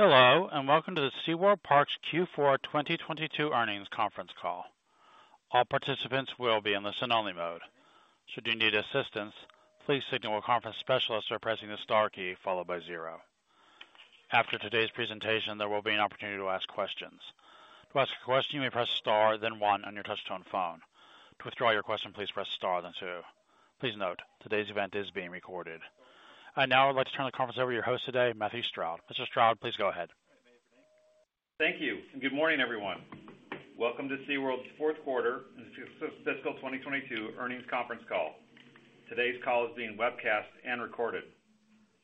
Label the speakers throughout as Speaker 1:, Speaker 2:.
Speaker 1: Hello, welcome to the SeaWorld Parks Q4 2022 earnings conference call. All participants will be in listen only mode. Should you need assistance, please signal a conference specialist by pressing the star key followed by 0. After today's presentation, there will be an opportunity to ask questions. To ask a question, you may press star then 1 on your touchtone phone. To withdraw your question, please press star then 2. Please note, today's event is being recorded. I'd now like to turn the conference over to your host today, Matthew Stoudt. Mr. Stoudt, please go ahead.
Speaker 2: Thank you. Good morning, everyone. Welcome to SeaWorld's 4th 1/4 fiscal 2022 earnings conference call. Today's call is being webcast and recorded.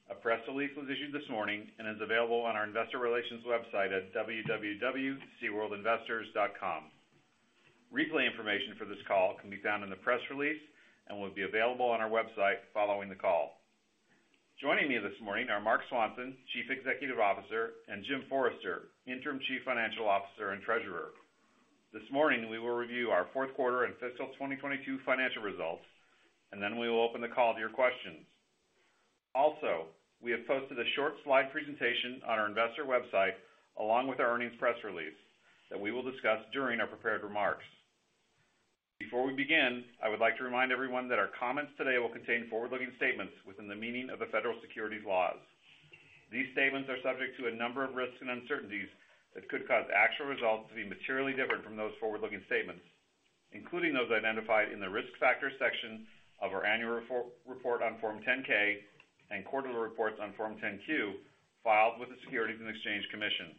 Speaker 2: A press release was issued this morning and is available on our investor relations website at www.seaworldinvestors.com. Replay information for this call can be found in the press release and will be available on our website following the call. Joining me this morning are Marc Swanson, Chief Executive Officer, and Jim Taylor, Interim Chief Financial Officer and Treasurer. This morning, we will review our 4th 1/4 and fiscal 2022 financial results, and then we will open the call to your questions. We have posted a short Slide presentation on our investor website along with our earnings press release that we will discuss during our prepared remarks. Before we begin, I would like to remind everyone that our comments today will contain forward-looking statements within the meaning of the Federal Securities laws. These statements are subject to a number of risks and uncertainties that could cause actual results to be materially different from those forward-looking statements, including those identified in the Risk Factors section of our annual report on Form 10-K and 1/4ly reports on Form 10-Q filed with the Securities and Exchange Commission.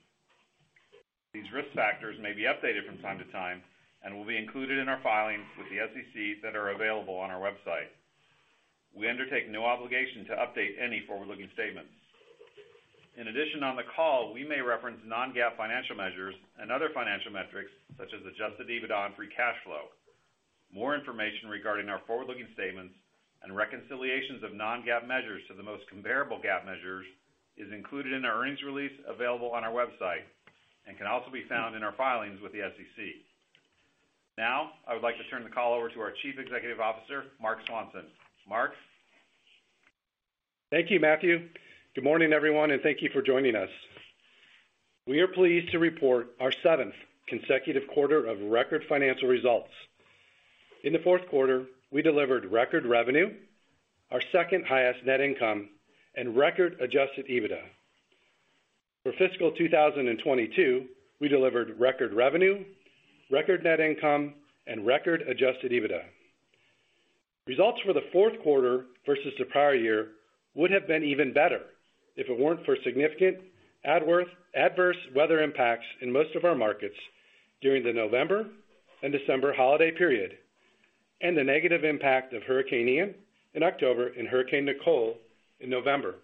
Speaker 2: These risk factors may be updated from time to time and will be included in our filings with the SEC that are available on our website. We undertake no obligation to update any forward-looking statements. In addition, on the call, we may reference non-GAAP financial measures and other financial metrics such as Adjusted EBITDA and Free Cash Flow. More information regarding our forward-looking statements and reconciliations of non-GAAP measures to the most comparable GAAP measures is included in our earnings release available on our website and can also be found in our filings with the SEC. I would like to turn the call over to our Chief Executive Officer, Marc Swanson. Marc?
Speaker 3: Thank you, Matthew. Good morning, everyone, and thank you for joining us. We are pleased to report our seventh consecutive 1/4 of record financial results. In the 4th 1/4, we delivered record revenue, our Second-Highest net income, and record Adjusted EBITDA. For fiscal 2022, we delivered record revenue, record net income, and record Adjusted EBITDA. Results for the 4th 1/4 versus the prior year would have been even better if it weren't for significant adverse weather impacts in most of our markets during the November and December holiday period, and the negative impact of Hurricane Ian in October and Hurricane Nicole in November.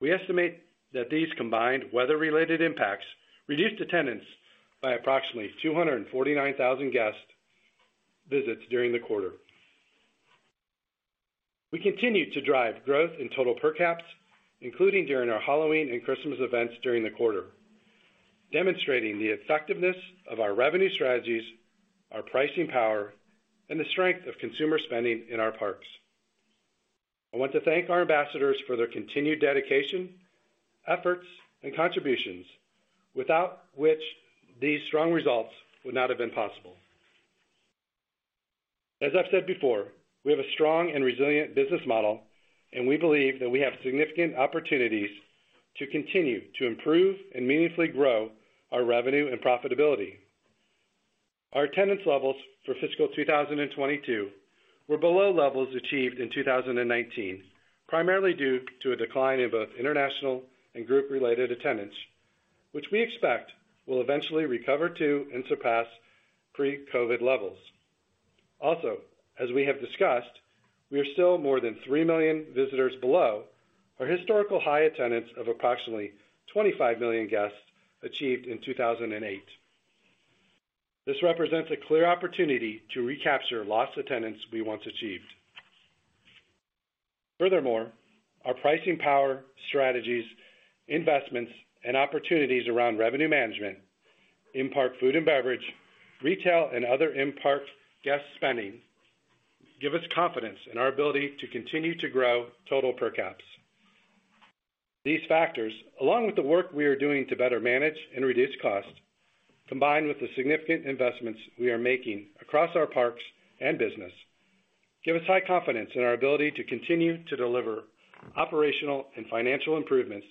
Speaker 3: We estimate that these combined weather-related impacts reduced attendance by approximately 249,000 guest visits during the 1/4. We continued to drive growth in total per caps, including during our Halloween and Christmas events during the 1/4, demonstrating the effectiveness of our revenue strategies, our pricing power, and the strength of consumer spending in our parks. I want to thank our ambassadors for their continued dedication, efforts, and contributions, without which these strong results would not have been possible. As I've said before, we have a strong and resilient business model, and we believe that we have significant opportunities to continue to improve and meaningfully grow our revenue and profitability. Our attendance levels for fiscal 2022 were below levels achieved in 2019, primarily due to a decline in both international and group-related attendance, which we expect will eventually recover to and surpass pre-COVID levels. As we have discussed, we are still more than 3 million visitors below our historical high attendance of approximately 25 million guests achieved in 2008. This represents a clear opportunity to recapture lost attendance we once achieved. Furthermore, our pricing power, strategies, investments, and opportunities around revenue management In-Park food and beverage, retail, and other In-Park guest spending give us confidence in our ability to continue to grow total per caps. These factors, along with the work we are doing to better manage and reduce costs, combined with the significant investments we are making across our parks and business, give us high confidence in our ability to continue to deliver operational and financial improvements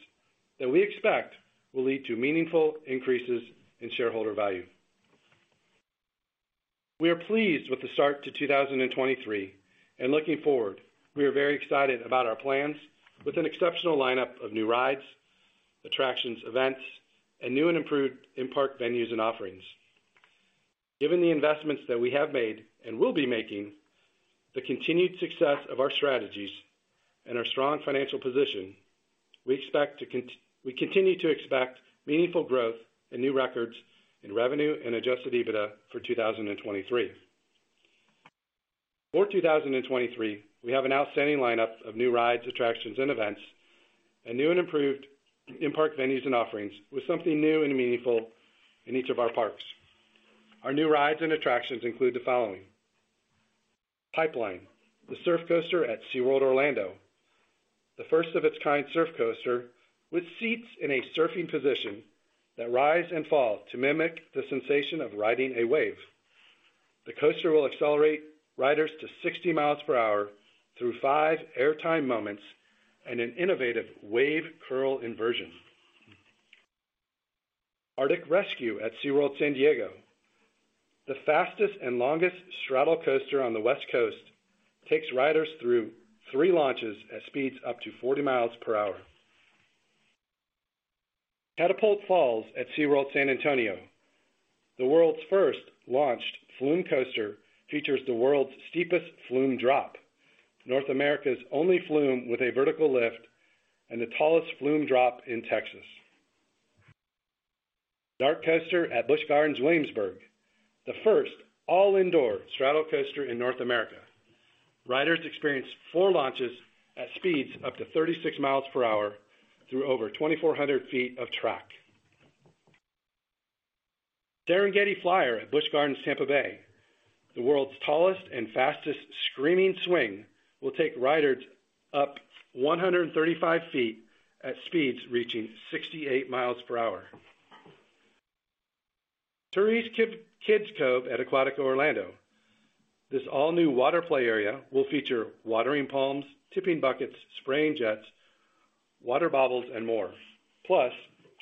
Speaker 3: that we expect will lead to meaningful increases in shareholder value. We are pleased with the start to 2023. Looking forward, we are very excited about our plans with an exceptional lineup of new rides, attractions, events, and new and improved In-Park venues and offerings. Given the investments that we have made and will be making, the continued success of our strategies and our strong financial position, we continue to expect meaningful growth and new records in revenue and Adjusted EBITDA for 2023. For 2023, we have an outstanding lineup of new rides, attractions and events, and new and improved in-park venues and offerings with something new and meaningful in each of our parks. Our new rides and attractions include the following: Pipeline: The Surf Coaster at SeaWorld Orlando. The first of its kind surf coaster with seats in a surfing position that rise and fall to mimic the sensation of riding a wave. The coaster will accelerate riders to 60 miles per hour through 5 airtime moments and an innovative wave curl inversion. Arctic Rescue at SeaWorld San Diego, the fastest and longest straddle coaster on the West Coast, takes riders through 3 launches at speeds up to 40 miles per hour. Catapult Falls at SeaWorld San Antonio, the world's first launched flume coaster, features the world's steepest flume drop, North America's only flume with a vertical lift, and the tallest flume drop in Texas. DarKoaster at Busch Gardens Williamsburg, the first all-indoor straddle coaster in North America. Riders experience 4 launches at speeds up to 36 miles per hour through over 2,400 feet of track. Serengeti Flyer at Busch Gardens Tampa Bay, the world's tallest and fastest screaming swing, will take riders up 135 feet at speeds reaching 68 miles per hour. Turi's Kid Cove at Aquatica Orlando. This all new water play area will feature watering palms, tipping buckets, spraying jets, water bobbles, and more. Plus,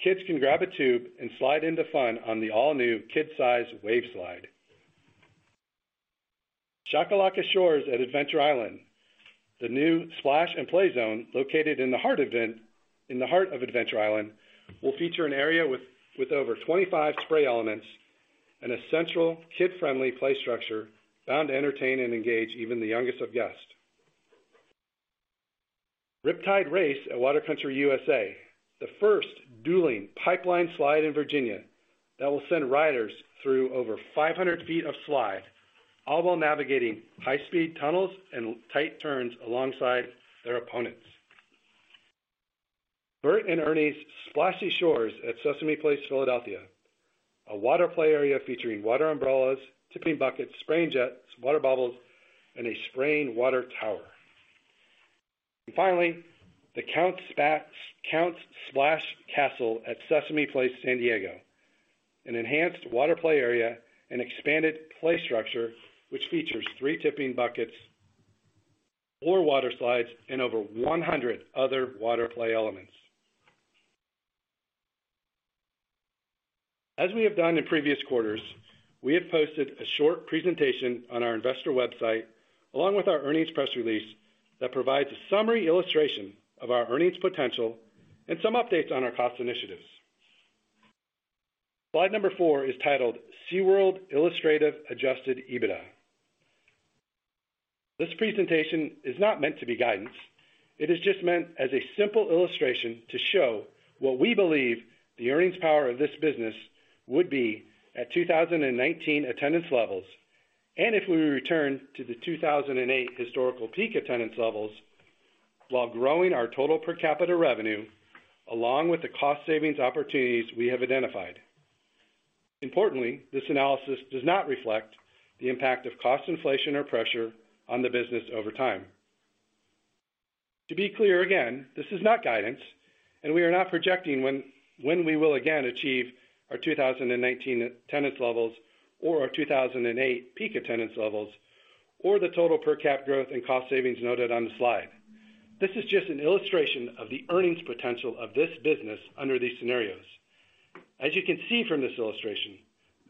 Speaker 3: kids can grab a tube and Slide into fun on the all-new kid-sized wave Slide. Shaka-Laka Shores at Adventure Island, the new splash and play zone located in the heart in the heart of Adventure Island, will feature an area with over 25 spray elements and a central kid-friendly play structure bound to entertain and engage even the youngest of guests. Riptide Race at Water Country USA, the first dueling pipeline Slide in Virginia that will send riders through over 500 feet of Slide, all while navigating high-speed tunnels and tight turns alongside their opponents. Bert & Ernie's Splashy Shores at Sesame Place, Philadelphia, a water play area featuring water umbrellas, tipping buckets, spraying jets, water bubbles, and a spraying water tower. Finally, The Count's Splash Castle at Sesame Place San Diego, an enhanced water play area and expanded play structure which features 3 tipping buckets, 4 water Slides, and over 100 other water play elements. As we have done in previous 1/4s, we have posted a short presentation on our investor website, along with our earnings press release, that provides a summary illustration of our earnings potential and some updates on our cost initiatives. Slide number 4 is titled "SeaWorld Illustrative Adjusted EBITDA." This presentation is not meant to be guidance. It is just meant as a simple illustration to show what we believe the earnings power of this business would be at 2019 attendance levels, and if we return to the 2008 historical peak attendance levels while growing our total per capita revenue, along with the cost savings opportunities we have identified. Importantly, this analysis does not reflect the impact of cost inflation or pressure on the business over time. To be clear again, this is not guidance, and we are not projecting when we will again achieve our 2019 attendance levels or our 2008 peak attendance levels or the total per cap growth and cost savings noted on the Slide. This is just an illustration of the earnings potential of this business under these scenarios. As you can see from this illustration,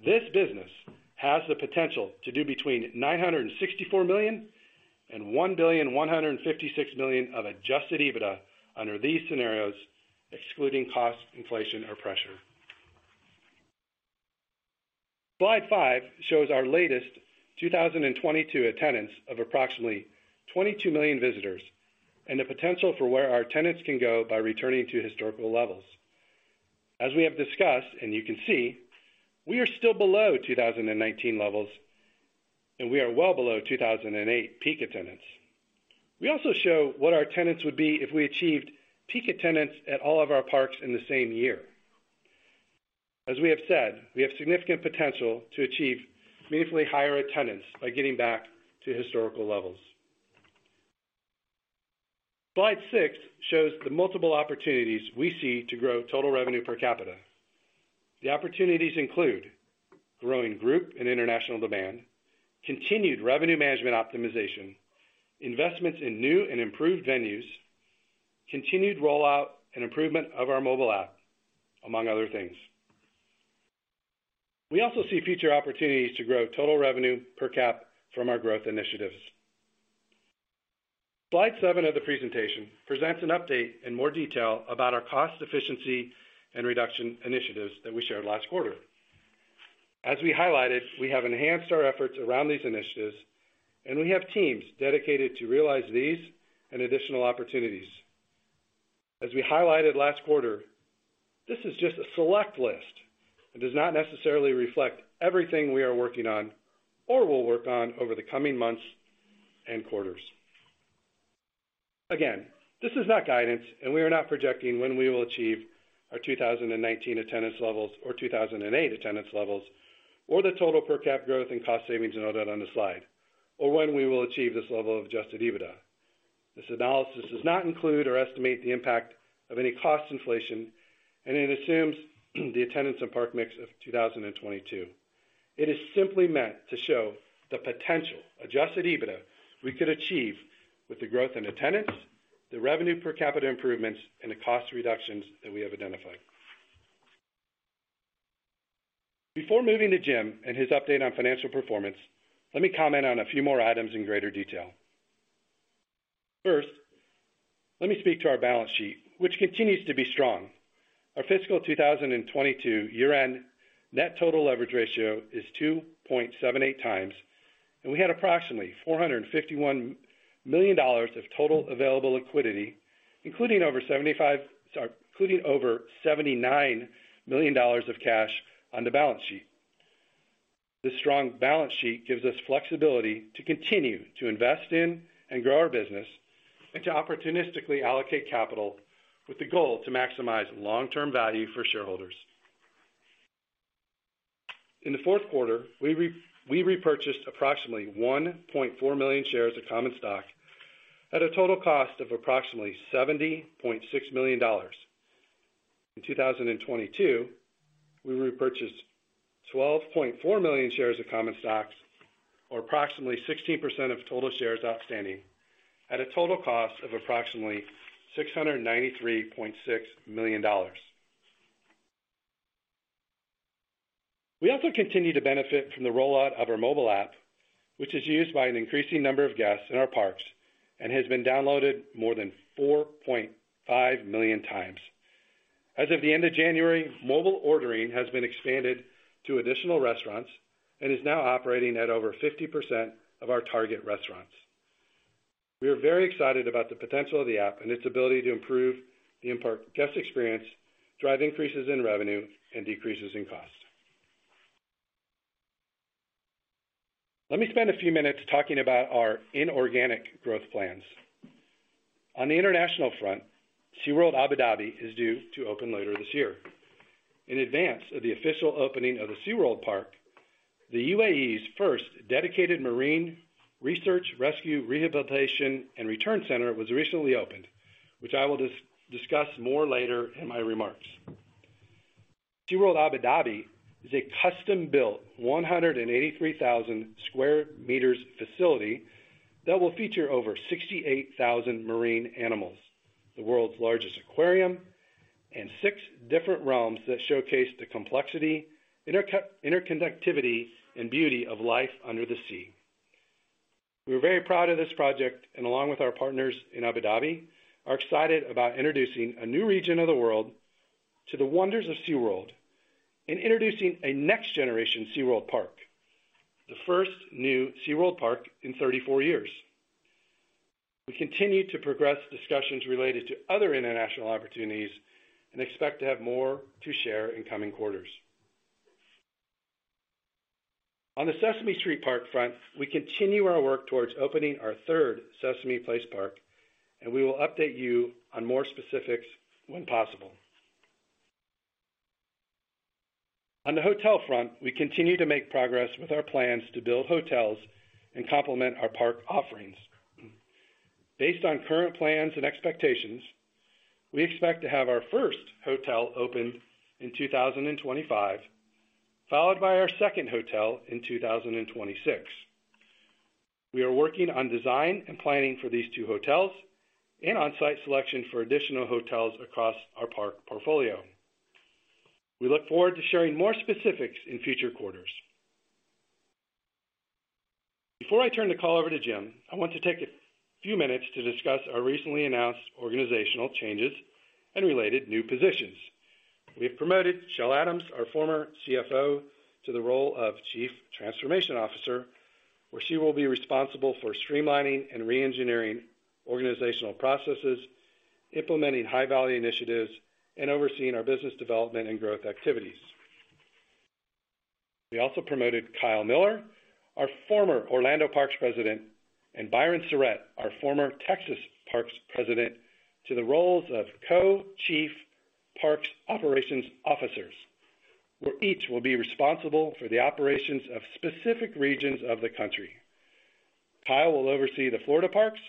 Speaker 3: this business has the potential to do between $964 million and $1,156 million of Adjusted EBITDA under these scenarios, excluding cost inflation or pressure. Slide 5 shows our latest 2022 attendance of approximately 22 million visitors, and the potential for where our attendance can go by returning to historical levels. As we have discussed, and you can see, we are still below 2019 levels, and we are well below 2008 peak attendance. We also show what our attendance would be if we achieved peak attendance at all of our parks in the same year. As we have said, we have significant potential to achieve meaningfully higher attendance by getting back to historical levels. Slide 6 shows the multiple opportunities we see to grow Total Revenue Per Capital. The opportunities include growing group and international demand, continued revenue management optimization, investments in new and improved venues, continued rollout and improvement of our mobile app, among other things. We also see future opportunities to grow Total Revenue per cap from our growth initiatives. Slide 7 of the presentation presents an update in more detail about our cost efficiency and reduction initiatives that we shared last 1/4. As we highlighted, we have enhanced our efforts around these initiatives, and we have teams dedicated to realize these and additional opportunities. As we highlighted last 1/4, this is just a select list and does not necessarily reflect everything we are working on or will work on over the coming months and 1/4s.This is not guidance, and we are not projecting when we will achieve our 2019 attendance levels or 2008 attendance levels or the total per cap growth and cost savings noted on the Slide, or when we will achieve this level of Adjusted EBITDA. This analysis does not include or estimate the impact of any cost inflation, and it assumes the attendance and park mix of 2022. It is simply meant to show the potential Adjusted EBITDA we could achieve with the growth in attendance, the revenue per capita improvements and the cost reductions that we have identified. Before moving to Jim and his update on financial performance, let me comment on a few more items in greater detail. First, let me speak to our balance sheet, which continues to be strong. Our fiscal 2022 year-end net total leverage ratio is 2.78 times, and we had approximately $451 million of total available liquidity, including over $79 million of cash on the balance sheet. This strong balance sheet gives us flexibility to continue to invest in and grow our business and to opportunistically allocate capita with the goal to maximize long-term value for shareholders. In the 4th 1/4, we repurchased approximately 1.4 million shares of common stock at a total cost of approximately $70.6 million. In 2022, we repurchased 12.4 million shares of common stocks, or approximately 16% of total shares outstanding, at a total cost of approximately $693.6 million. We also continue to benefit from the rollout of our mobile app, which is used by an increasing number of guests in our parks and has been downloaded more than 4.5 million times. As of the end of January, mobile ordering has been expanded to additional restaurants and is now operating at over 50% of our target restaurants. We are very excited about the potential of the app and its ability to improve the in-park guest experience, drive increases in revenue, and decreases in cost. Let me spend a few minutes talking about our inorganic growth plans. On the international front, SeaWorld Abu Dhabi is due to open later this year. In advance of the official opening of the SeaWorld park, the UAE's first dedicated marine research, rescue, rehabilitation, and return center was recently opened, which I will discuss more later in my remarks. SeaWorld Abu Dhabi is a custom-built 183,000 square meters facility that will feature over 68,000 marine animals, the world's largest aquarium, and 6 different realms that showcase the complexity, interconnectivity, and beauty of life under the sea. We're very proud of this project and, along with our partners in Abu Dhabi, are excited about introducing a new region of the world to the wonders of SeaWorld and introducing a next-generation SeaWorld park, the first new SeaWorld park in 34 years. We continue to progress discussions related to other international opportunities and expect to have more to share in coming 1/4s. On the Sesame Street park front, we continue our work towards opening our 1/3 Sesame Place park, and we will update you on more specifics when possible. On the hotel front, we continue to make progress with our plans to build hotels and complement our park offerings. Based on current plans and expectations, we expect to have our first hotel open in 2025, followed by our second hotel in 2026. We are working on design and planning for these 2 hotels and on-site selection for additional hotels across our park portfolio. We look forward to sharing more specifics in future 1/4s. Before I turn the call over to Jim, I want to take a few minutes to discuss our recently announced organizational changes and related new positions. We have promoted Chelle Adams, our former CFO, to the role of Chief Transformation Officer, where she will be responsible for streamlining and re-engineering organizational processes, implementing high-value initiatives, and overseeing our business development and growth activities. We also promoted Kyle Miller, our former Orlando Parks President, and Byron Surrett, our former Texas Parks President, to the roles of Co-Chief Parks Operations Officers, where each will be responsible for the operations of specific regions of the country. Kyle will oversee the Florida Parks,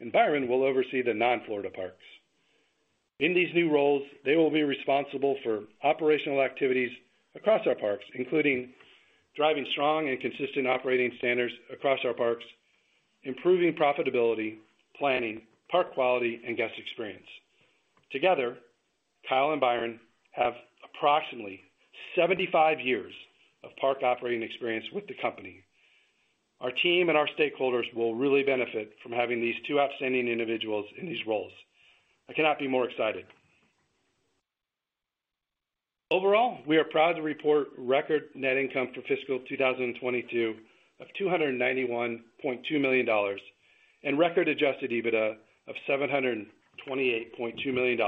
Speaker 3: and Byron will oversee the Non-Florida Parks. In these new roles, they will be responsible for operational activities across our parks, including driving strong and consistent operating standards across our parks, improving profitability, planning, park quality, and guest experience. Together, Kyle and Byron have approximately 75 years of park operating experience with the company. Our team and our stakeholders will really benefit from having these 2 outstanding individuals in these roles. I cannot be more excited. Overall, we are proud to report record net income for fiscal 2022 of $291.2 million and record Adjusted EBITDA of $728.2 million.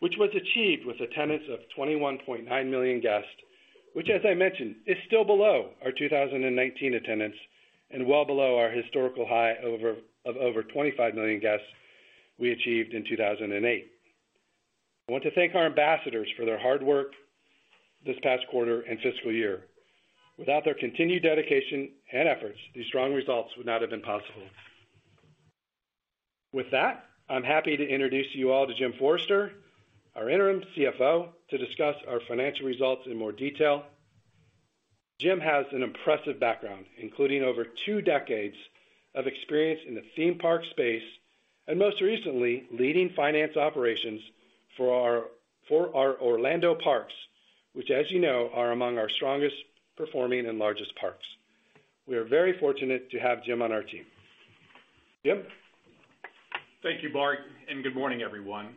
Speaker 3: Which was achieved with attendance of 21.9 million guests, which as I mentioned, is still below our 2019 attendance and well below our historical high of over 25 million guests we achieved in 2008. I want to thank our ambassadors for their hard work this past 1/4 and fiscal year. Without their continued dedication and efforts, these strong results would not have been possible. With that, I'm happy to introduce you all to Jim Taylor, our interim CFO, to discuss our financial results in more detail. Jim has an impressive background, including over 2 decades of experience in the theme park space and most recently, leading finance operations for our Orlando parks, which as you know, are among our strongest performing and largest parks. We are very fortunate to have Jim on our team. Jim?
Speaker 4: Thank you, Marc, good morning, everyone.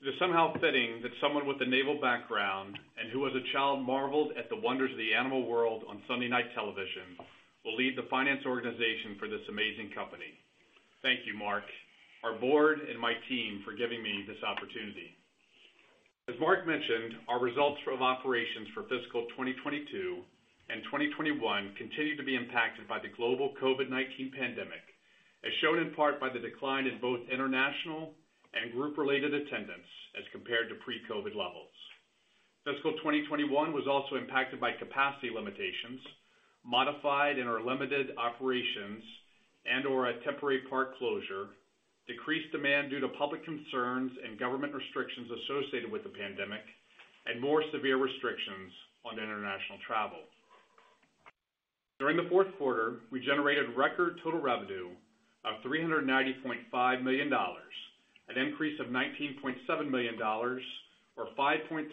Speaker 4: It is somehow fitting that someone with a naval background and who as a child marveled at the wonders of the animal world on Sunday night television, will lead the finance organization for this amazing company. Thank you, Marc, our board and my team for giving me this opportunity. As Marc mentioned, our results of operations for fiscal 2022 and 2021 continued to be impacted by the global COVID-19 pandemic, as shown in part by the decline in both international and group-related attendance as compared to pre-COVID levels. Fiscal 2021 was also impacted by capacity limitations, modified and/or limited operations and/or a temporary park closure, decreased demand due to public concerns and government restrictions associated with the pandemic, and more severe restrictions on international travel. During the 4th 1/4, we generated record total revenue of $390.5 million, an increase of $19.7 million or 5.3%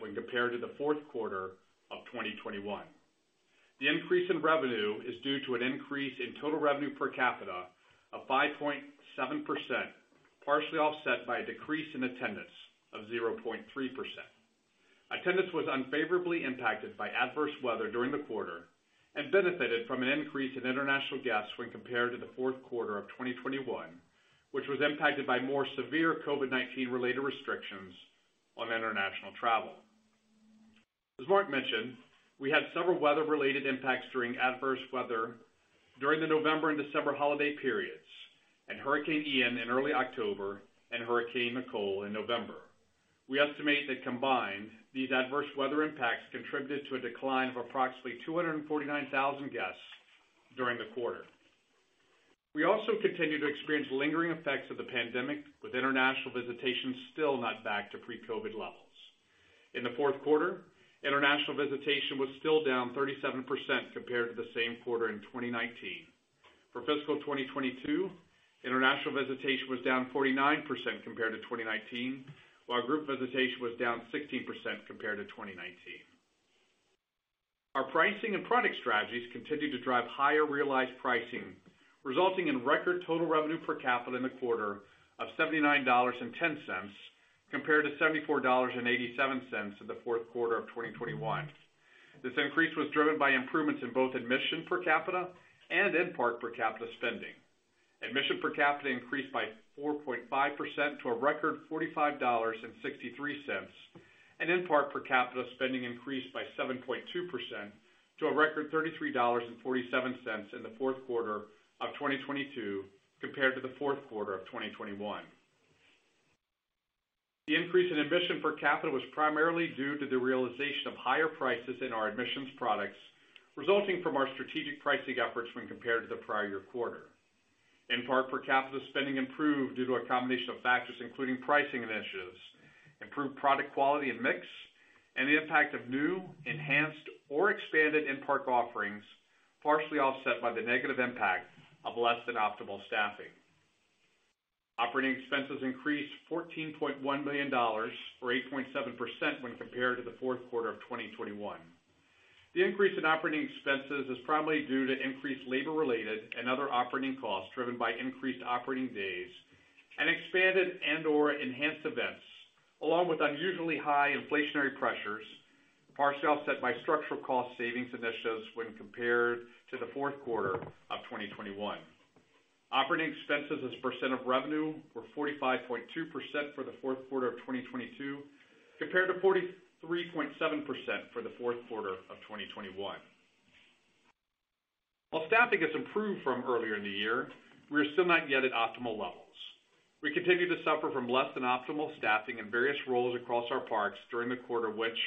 Speaker 4: when compared to the 4th 1/4 of 2021. The increase in revenue is due to an increase in total revenue per capita of 5.7%, partially offset by a decrease in attendance of 0.3%. Attendance was unfavorably impacted by adverse weather during the 1/4 and benefited from an increase in international guests when compared to the 4th 1/4 of 2021, which was impacted by more severe COVID-19 related restrictions on international travel. As Marc mentioned, we had several weather-related impacts during adverse weather during the November and December holiday periods and Hurricane Ian in early October and Hurricane Nicole in November. We estimate that combined, these adverse weather impacts contributed to a decline of approximately 249,000 guests during the 1/4. We also continue to experience lingering effects of the pandemic, with international visitation still not back to pre-COVID levels. In the 4th 1/4, international visitation was still down 37% compared to the same 1/4 in 2019. For fiscal 2022, international visitation was down 49% compared to 2019, while group visitation was down 16% compared to 2019. Our pricing and product strategies continued to drive higher realized pricing, resulting in record total revenue per capita in the 1/4 of $79.10 compared to $74.87 in the 4th 1/4 of 2021. This increase was driven by improvements in both admission per capita and in-park per capita spending. Admission per capita increased by 4.5% to a record $45.63, and in-park per capita spending increased by 7.2% to a record $33.47 in the 4th 1/4 of 2022 compared to the 4th 1/4 of 2021. The increase in admission per capita was primarily due to the realization of higher prices in our admissions products, resulting from our strategic pricing efforts when compared to the prior year 1/4. In-park per capita spending improved due to a combination of factors, including pricing initiatives, improved product quality and mix, and the impact of new, enhanced or expanded in-park offerings, partially offset by the negative impact of less than optimal staffing. Operating expenses increased $14.1 million or 8.7% when compared to the 4th 1/4 of 2021. The increase in operating expenses is primarily due to increased labor-related and other operating costs driven by increased operating days and expanded and/or enhanced events, along with unusually high inflationary pressures, partially offset by structural cost savings initiatives when compared to the 4th 1/4 of 2021. Operating expenses as a percent of revenue were 45.2% for the 4th 1/4 of 2022, compared to 43.7% for the 4th 1/4 of 2021. While staffing has improved from earlier in the year, we are still not yet at optimal levels. We continued to suffer from less than optimal staffing in various roles across our parks during the 1/4, which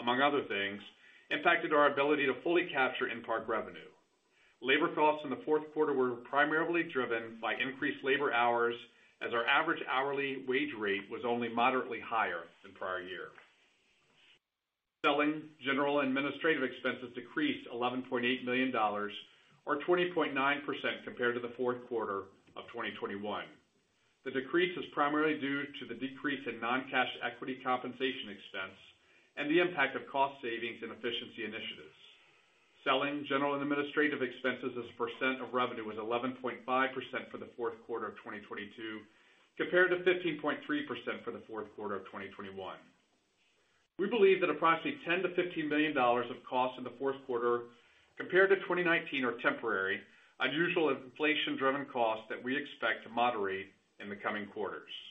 Speaker 4: among other things, impacted our ability to fully capture in-park revenue. Labor costs in the 4th 1/4 were primarily driven by increased labor hours, as our average hourly wage rate was only moderately higher than prior year. Selling, General & Administrative Expenses decreased $11.8 or 20.9% compared to the 4th 1/4 of 2021. The decrease is primarily due to the decrease in non-cash equity compensation expense and the impact of cost savings and efficiency initiatives. Selling, General & Administrative Expenses as a percent of revenue was 11.5% for the 4th 1/4 of 2022, compared to 15.3% for the 4th 1/4 of 2021. We believe that approximately $10 million-$15 million of costs in the 4th 1/4 compared to 2019 are temporary, unusual inflation driven costs that we expect to moderate in the coming 1/4s.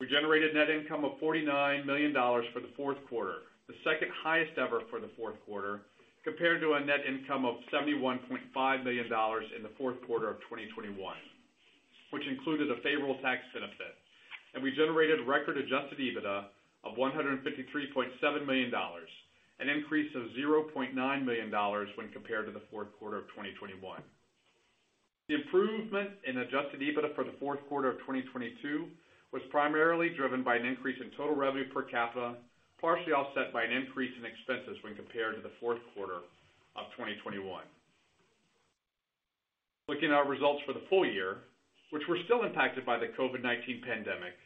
Speaker 4: We generated net income of $49 million for the 4th 1/4, the second highest ever for the 4th 1/4, compared to a net income of $71.5 million in the 4th 1/4 of 2021, which included a favorable tax benefit. We generated record Adjusted EBITDA of $153.7 million, an increase of $0.9 million when compared to the 4th 1/4 of 2021.The improvement in Adjusted EBITDA for the 4th 1/4 of 2022 was primarily driven by an increase in total revenue per capita, partially offset by an increase in expenses when compared to the 4th 1/4 of 2021. Looking at our results for the full year, which were still impacted by the COVID-19 pandemic,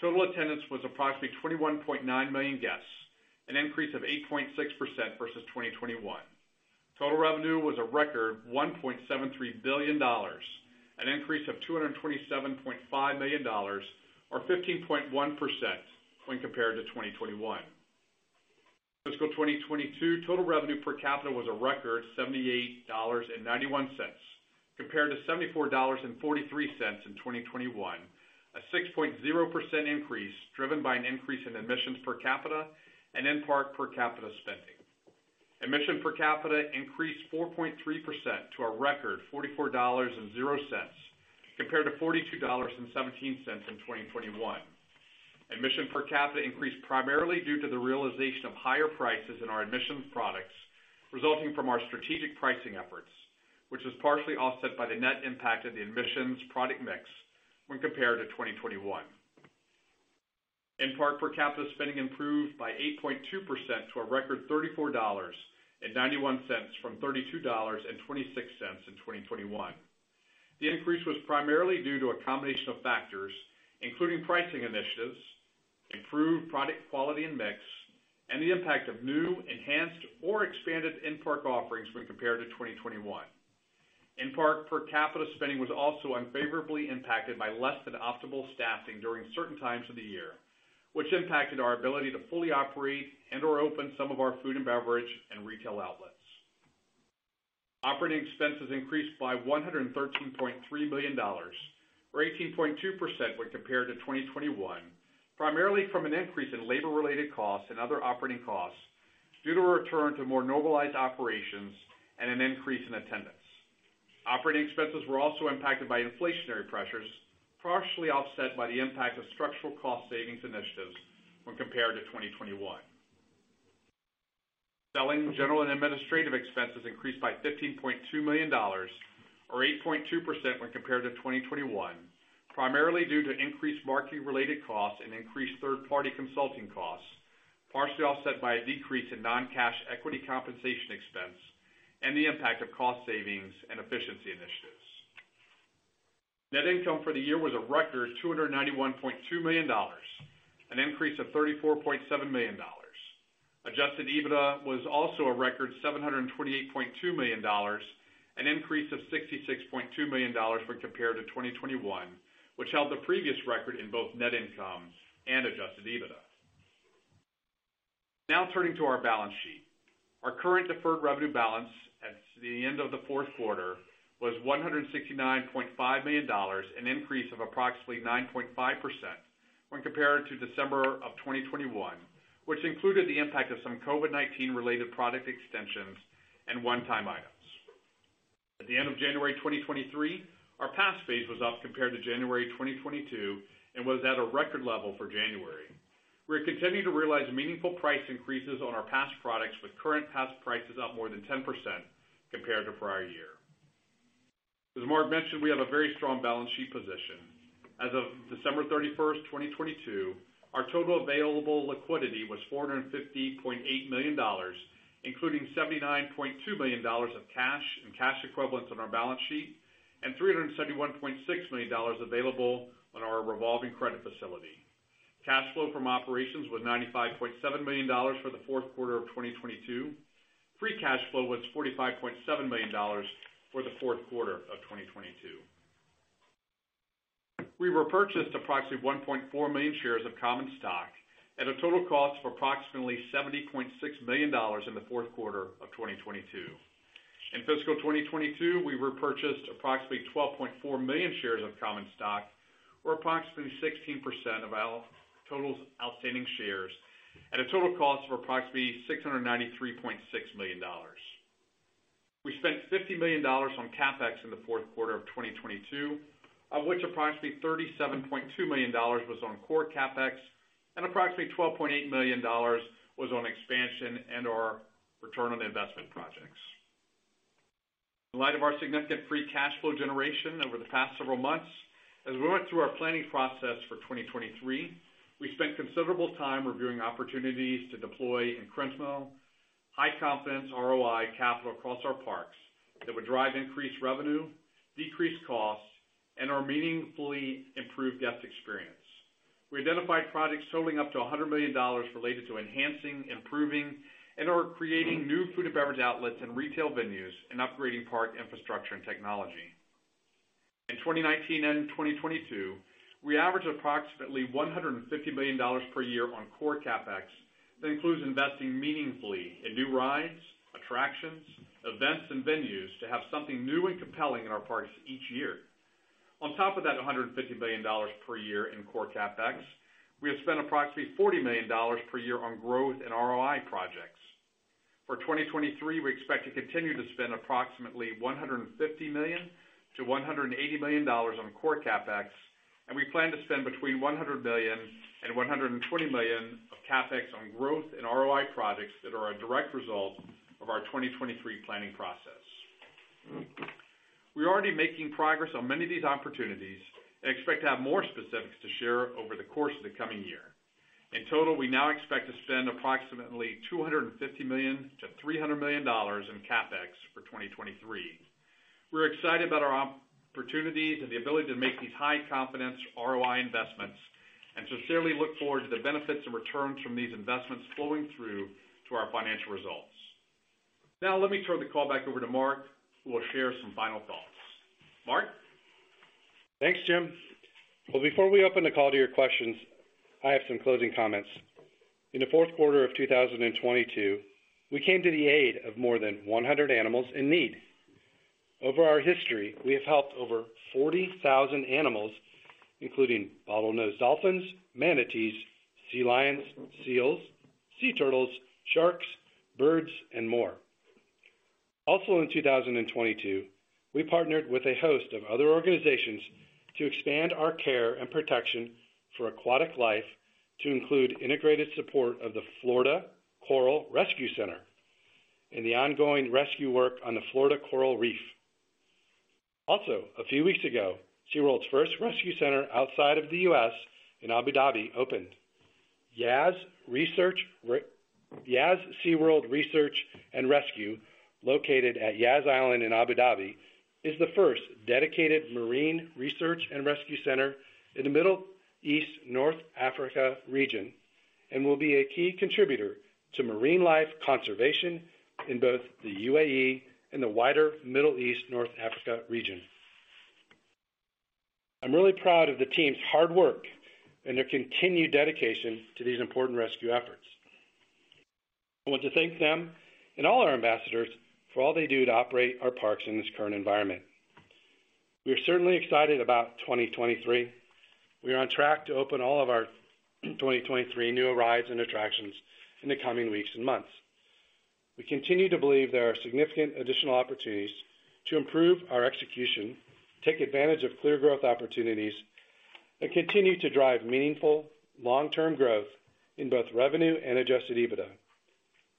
Speaker 4: total attendance was approximately 21.9 million guests, an increase of 8.6% versus 2021. Total revenue was a record $1.73 billion, an increase of $227.5 million, or 15.1% when compared to 2021. Fiscal 2022 total revenue per capita was a record $78.91 compared to $74.43 in 2021, a 6.0% increase driven by an increase in admissions per capita and in-park per capita spending. Admission per capita increased 4.3% to a record $44.00 compared to $42.17 in 2021. Admission per capita increased primarily due to the realization of higher prices in our admissions products resulting from our strategic pricing efforts, which was partially offset by the net impact of the admissions product mix when compared to 2021. In-park per capita spending improved by 8.2% to a record $34.91 from $32.26 in 2021. The increase was primarily due to a combination of factors, including pricing initiatives, improved product quality and mix, and the impact of new, enhanced or expanded in-park offerings when compared to 2021. In-Park per capita spending was also unfavorably impacted by less than optimal staffing during certain times of the year, which impacted our ability to fully operate and or open some of our food and beverage and retail outlets. Operating expenses increased by $113.3 million, or 18.2% when compared to 2021, primarily from an increase in labor related costs and other operating costs due to a return to more normalized operations and an increase in attendance. Operating expenses were also impacted by inflationary pressures, partially offset by the impact of structural cost savings initiatives when compared to 2021. Selling, general and administrative expenses increased by $15.2 million, or 8.2% when compared to 2021, primarily due to increased marketing related costs and increased 1/3 party consulting costs, partially offset by a decrease in Non-Cash equity compensation expense and the impact of cost savings and efficiency initiatives. Net income for the year was a record $291.2 million, an increase of $34.7 million. Adjusted EBITDA was also a record $728.2 million, an increase of $66.2 million when compared to 2021, which held the previous record in both net income and Adjusted EBITDA. Turning to our balance sheet. Our current deferred revenue balance at the end of the 4th 1/4 was $169.5 million, an increase of approximately 9.5% when compared to December 2021, which included the impact of some COVID-19 related product extensions and onetime items. At the end of January 2023, our pass base was up compared to January 2022 and was at a record level for January. We are continuing to realize meaningful price increases on our pass products, with current pass prices up more than 10% compared to prior year. As Marc mentioned, we have a very strong balance sheet position. As of December 31, 2022, our total available liquidity was $450.8 million, including $79.2 million of cash and cash equivalents on our balance sheet and $371.6 million available on our revolving credit facility. Cash flow from operations was $95.7 million for the 4th 1/4 of 2022. Free Cash Flow was $45.7 million for the 4th 1/4 of 2022. We repurchased approximately 1.4 million shares of common stock at a total cost of approximately $70.6 million in the 4th 1/4 of 2022. In fiscal 2022, we repurchased approximately 12.4 million shares of common stock, or approximately 16% of our total outstanding shares at a total cost of approximately $693.6 million. We spent $50 million on CapEx in the 4th 1/4 of 2022, of which approximately $37.2 million was on core CapEx and approximately $12.8 million was on expansion and or ROI projects. In light of our significant Free Cash Flow generation over the past several months, as we went through our planning process for 2023, we spent considerable time reviewing opportunities to deploy incremental, high confidence ROI capita across our parks that would drive increased revenue, decrease costs, and/or meaningfully improve guest experience. We identified projects totaling up to $100 million related to enhancing, improving, and/or creating new food and beverage outlets and retail venues and upgrading park infrastructure and technology. In 2019 and 2022, we averaged approximately $150 million per year on core CapEx. That includes investing meaningfully in new rides, attractions, events, and venues to have something new and compelling in our parks each year. On top of that $150 million per year in core CapEx, we have spent approximately $40 million per year on growth and ROI projects. For 2023, we expect to continue to spend approximately $150 million-$180 million on core CapEx. We plan to spend between $100 million and $120 million of CapEx on growth and ROI projects that are a direct result of our 2023 planning process. We're already making progress on many of these opportunities and expect to have more specifics to share over the course of the coming year. In total, we now expect to spend approximately $250 million-$300 million in CapEx for 2023. We're excited about our opportunities and the ability to make these High-Confidence ROI investments and sincerely look forward to the benefits and returns from these investments flowing through to our financial results. Let me throw the call back over to Marc, who will share some final thoughts. Marc?
Speaker 3: Thanks, Jim. Before we open the call to your questions, I have some closing comments. In the 4th 1/4 of 2022, we came to the aid of more than 100 animals in need. Over our history, we have helped over 40,000 animals, including bottlenose dolphins, manatees, sea lions, seals, sea turtles, sharks, birds, and more. In 2022, we partnered with a host of other organizations to expand our care and protection for aquatic life to include integrated support of the Florida Coral Rescue Center and the ongoing rescue work on the Florida Coral Reef. A few weeks ago, SeaWorld's first rescue center outside of the U.S. in Abu Dhabi opened. Yas SeaWorld Research & Rescue, located at Yas Island in Abu Dhabi, is the first dedicated marine research and rescue center in the Middle East, North Africa region and will be a key contributor to marine life conservation in both the UAE and the wider Middle East, North Africa region. I'm really proud of the team's hard work and their continued dedication to these important rescue efforts. I want to thank them and all our ambassadors for all they do to operate our parks in this current environment. We are certainly excited about 2023. We are on track to open all of our 2023 new rides and attractions in the coming weeks and months. We continue to believe there are significant additional opportunities to improve our execution, take advantage of clear growth opportunities, and continue to drive meaningful Long-Term growth in both revenue and Adjusted EBITDA.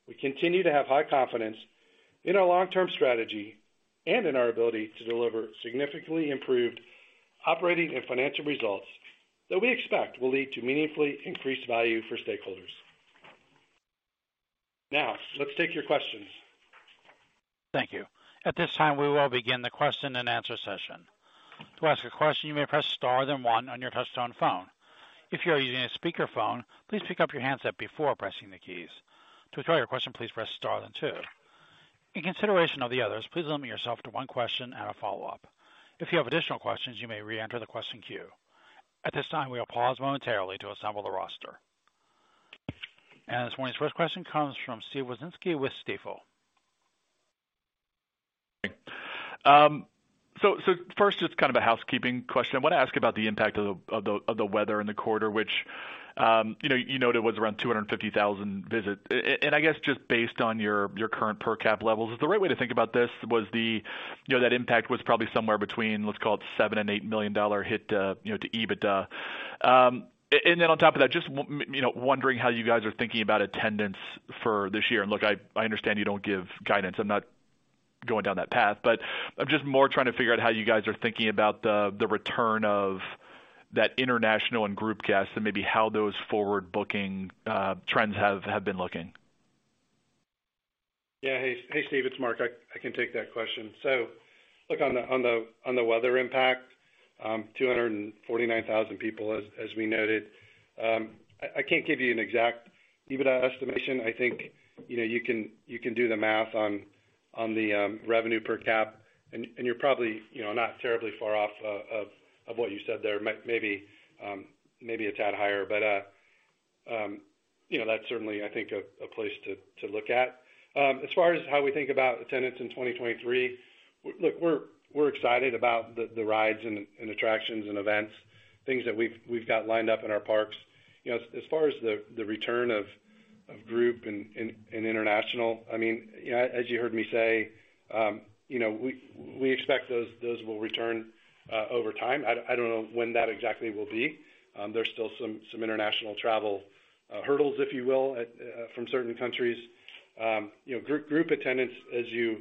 Speaker 3: We continue to have high confidence in our long-term strategy and in our ability to deliver significantly improved operating and financial results that we expect will lead to meaningfully increased value for stakeholders. Let's take your questions.
Speaker 1: Thank you. At this time, we will begin the question-and-answer session. To ask a question, you may press star then 1 on your touchtone phone. If you are using a speakerphone, please pick up your handset before pressing the keys. To withdraw your question, please press star then 2. In consideration of the others, please limit yourself to one question and a Follow-Up. If you have additional questions, you may reenter the question queue. At this time, we will pause momentarily to assemble the roster. This morning's first question comes from Steven Wieczynski with Stifel.
Speaker 5: First, just kind of a housekeeping question. I wanna ask about the impact of the weather in the 1/4, which, you know, you noted was around $250,000 visit. I guess just based on your current per cap levels, is the right way to think about this was the, you know, that impact was probably somewhere between, let's call it $7 million-$8 million hit to, you know, to EBITDA. On top of that, just, you know, wondering how you guys are thinking about attendance for this year. Look, I understand you don't give guidance. I'm not going down that path, I'm just more trying to figure out how you guys are thinking about the return of that international and group guests and maybe how those forward-booking trends have been looking.
Speaker 3: Hey, Steve, it's Marc. I can take that question. Look, on the weather impact, 249,000 people, as we noted. I can't give you an exact EBITDA estimation. I think, you know, you can do the math on the revenue per cap and you're probably, you know, not terribly far off of what you said there. Maybe a tad higher. You know, that's certainly, I think, a place to look at. As far as how we think about attendance in 2023, look, we're excited about the rides and attractions and events, things that we've got lined up in our parks. You know, as far as the return of group and international, I mean, you know, as you heard me say, you know, we expect those will return over time. I don't know when that exactly will be. There's still some international travel hurdles, if you will, from certain countries. You know, group attendance as you,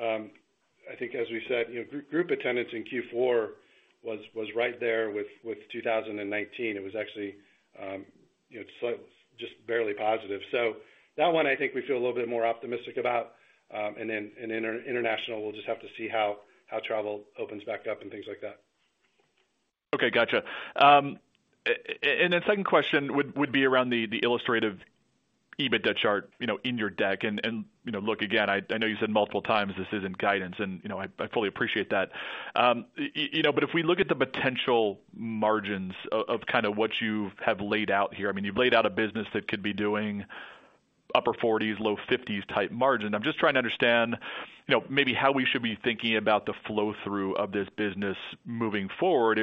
Speaker 3: I think as we said, you know, group attendance in Q4 was right there with 2019. It was actually, you know, just barely positive. That one I think we feel a little bit more optimistic about. And then in international, we'll just have to see how travel opens back up and things like that.
Speaker 5: Okay. Gotcha. Then second question would be around the illustrative EBITDA chart, you know, in your deck and, you know, look, again, I know you said multiple times this isn't guidance and, you know, I fully appreciate that. You know, but if we look at the potential margins of kind of what you have laid out here, I mean, you've laid out a business that could be doing upper 40s%, low 50s% type margin. I'm just trying to understand, you know, maybe how we should be thinking about the flow through of this business moving forward.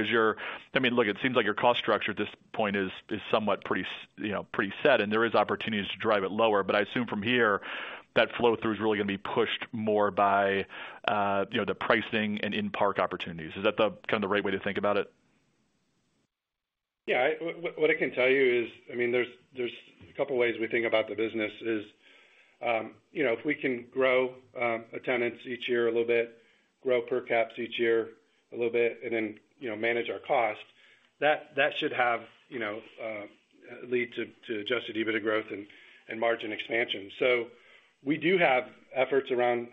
Speaker 5: I mean, look, it seems like your cost structure at this point is somewhat pretty set and there is opportunities to drive it lower. I assume from here that flow through is really gonna be pushed more by, you know, the pricing and in-park opportunities. Is that the, kind of the right way to think about it?
Speaker 3: Yeah. What I can tell you is, I mean, there's a couple ways we think about the business is, you know, if we can grow attendance each year a little bit, grow per caps each year a little bit, then, you know, manage our cost, that should have, you know, lead to Adjusted EBITDA growth and margin expansion. We do have efforts around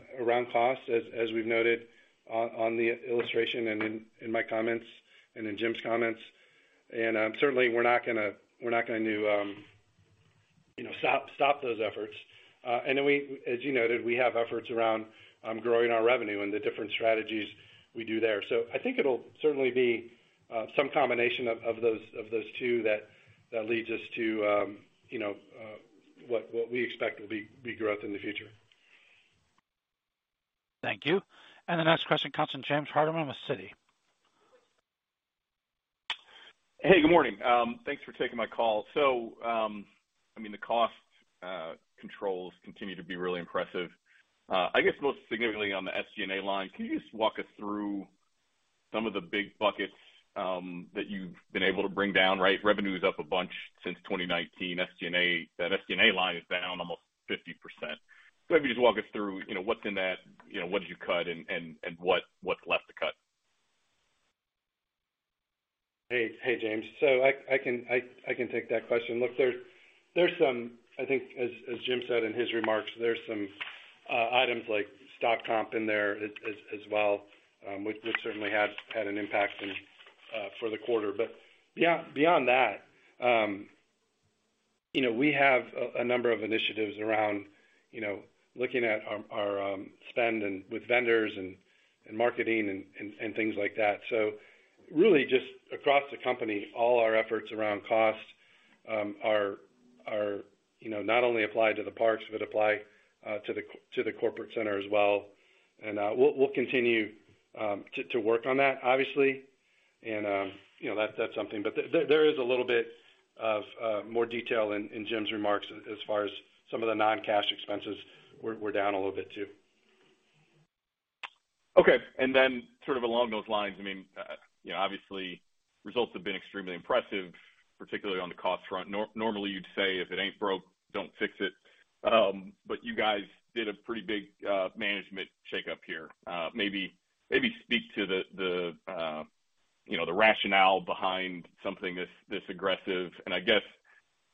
Speaker 3: costs as we've noted on the illustration and in my comments and in Jim's comments. certainly we're not gonna, you know, stop those efforts. then we, as you noted, we have efforts around growing our revenue and the different strategies we do there. I think it'll certainly be some combination of those 2 that leads us to, you know, what we expect will be growth in the future.
Speaker 1: Thank you. The next question comes from James Hardiman with Citi.
Speaker 6: Hey, good morning. Thanks for taking my call. I mean, the cost controls continue to be really impressive. I guess most significantly on the SG&A line. Can you just walk us through some of the big buckets that you've been able to bring down, right? Revenue is up a bunch since 2019. SG&A, that SG&A line is down almost 50%. Maybe just walk us through, you know, what's in that, you know, what did you cut and what's left to cut?
Speaker 3: Hey. Hey, James. I can take that question. Look, there's some I think as Jim said in his remarks, there's some items like stock comp in there as well, which certainly has had an impact and for the 1/4. Beyond that, you know, we have a number of initiatives around, you know, looking at our spend and with vendors and marketing and things like that. Really just across the company, all our efforts around costs are, you know, not only applied to the parks but apply to the corporate center as well. We'll continue to work on that, obviously. You know, that's something. There is a little bit of more detail in Jim's remarks as far as some of the non-cash expenses were down a little bit too.
Speaker 6: Okay. Then sort of along those lines, I mean, you know, obviously results have been extremely impressive, particularly on the cost front. Normally you'd say if it ain't broke, don't fix it. You guys did a pretty big management shakeup here. Maybe speak to the, you know, the rationale behind something this aggressive. I guess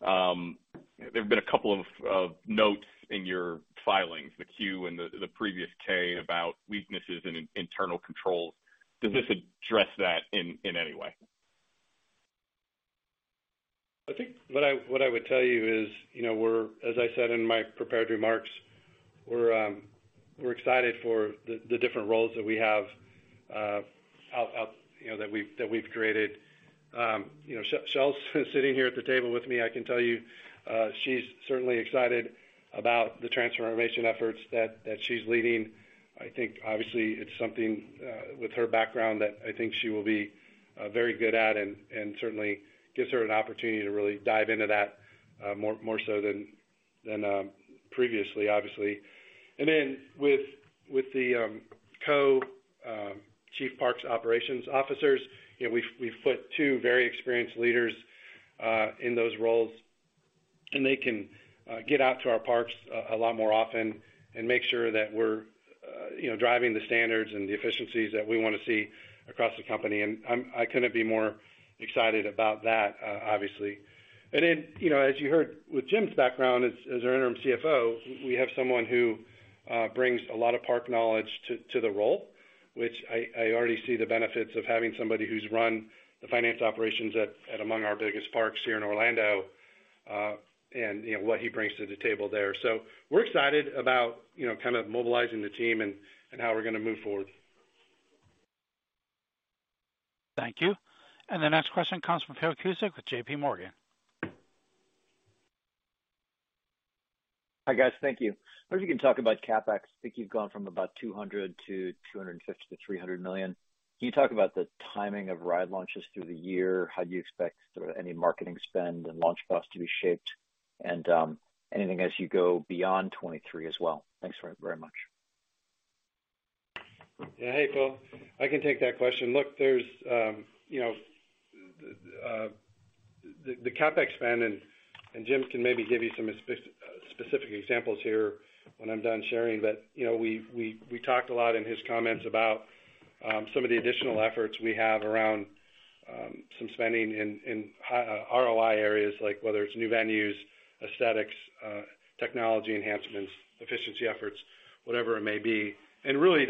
Speaker 6: there have been a couple of notes in your filings, the Q and the previous K about weaknesses in internal controls. Does this address that in any way?
Speaker 3: I think what I would tell you is, you know, we're, as I said in my prepared remarks, we're excited for the different roles that we have out, you know, that we've created. You know, Chelle's sitting here at the table with me, I can tell you, she's certainly excited about the transformation efforts that she's leading. I think obviously it's something with her background that I think she will be very good at and certainly gives her an opportunity to really dive into that more so than previously, obviously. With the chief parks operations officers, you know, we've put 2 very experienced leaders in those roles, and they can get out to our parks a lot more often and make sure that we're, you know, driving the standards and the efficiencies that we wanna see across the company. I couldn't be more excited about that, obviously. You know, as you heard with Jim's background as our Interim CFO, we have someone who brings a lot of park knowledge to the role, which I already see the benefits of having somebody who's run the finance operations at among our biggest parks here in Orlando, and you know, what he brings to the table there. We're excited about, you know, kind of mobilizing the team and how we're gonna move forward.
Speaker 1: Thank you. The next question comes from Philip Cusick with J.P. Morgan.
Speaker 7: Hi, guys. Thank you. I wonder if you can talk about CapEx. I think you've gone from about $200 million to $250 million to $300 million. Can you talk about the timing of ride launches through the year? How do you expect sort of any marketing spend and launch costs to be shaped? Anything as you go beyond 2023 as well. Thanks very, very much.
Speaker 3: Hey, Phil, I can take that question. Look, there's, you know, the CapEx spend and Jim can maybe give you some specific examples here when I'm done sharing. You know, we talked a lot in his comments about some of the additional efforts we have around some spending in ROI areas like whether it's new venues, aesthetics, technology enhancements, efficiency efforts, whatever it may be. Really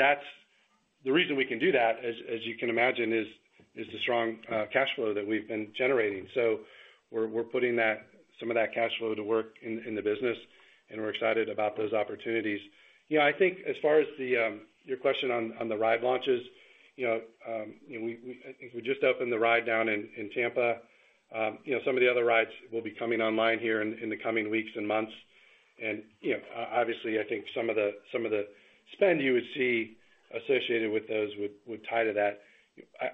Speaker 3: the reason we can do that, as you can imagine, is the strong cash flow that we've been generating. We're putting some of that cash flow to work in the business, and we're excited about those opportunities. I think as far as the your question on the ride launches, I think we just opened the ride down in Tampa. Some of the other rides will be coming online here in the coming weeks and months. Obviously, I think some of the spend you would see associated with those would tie to that.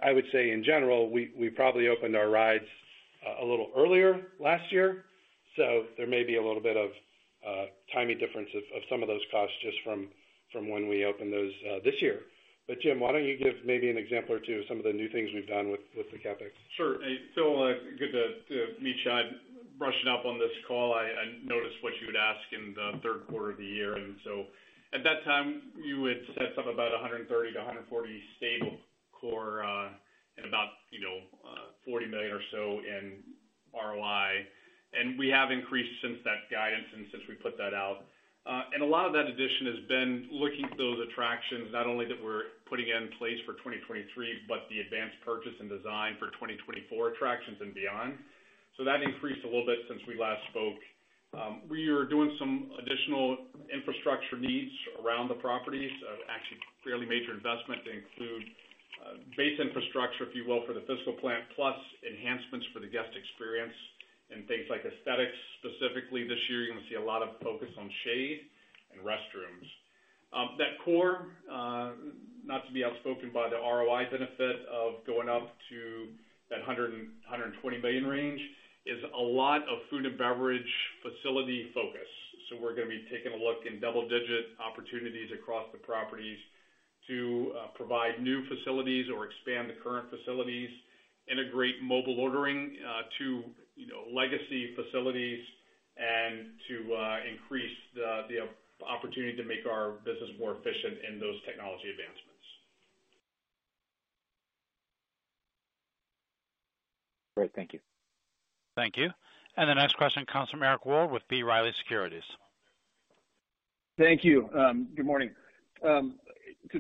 Speaker 3: I would say in general, we probably opened our rides a little earlier last year, so there may be a little bit of timing difference of some of those costs just from when we open those this year. Jim, why don't you give maybe an example or 2 of some of the new things we have done with the CapEx?
Speaker 4: Sure. Good to meet you. I'm brushing up on this call. I noticed what you had asked in the 1/3 1/4 of the year. At that time, you had set something about 130 to 140 stable core, and about, you know, $40 million or so in ROI. We have increased since that guidance and since we put that out. A lot of that addition has been looking at those attractions, not only that we're putting in place for 2023, but the advanced purchase and design for 2024 attractions and beyond. That increased a little bit since we last spoke. We are doing some additional infrastructure needs around the properties of actually fairly major investment to include base infrastructure, if you will, for the physical plant, plus enhancements for the guest experience and things like aesthetics. Specifically this year, you're gonna see a lot of focus on shade and restrooms. That core, not to be outspoken by the ROI benefit of going up to that $120 million range, is a lot of food and beverage facility focus. We're gonna be taking a look in double-digit opportunities across the properties to provide new facilities or expand the current facilities, integrate mobile ordering to, you know, legacy facilities and to increase the opportunity to make our business more efficient in those technology advancements.
Speaker 7: Great. Thank you.
Speaker 1: Thank you. The next question comes from Eric Wold with B. Riley Securities.
Speaker 8: Thank you. Good morning.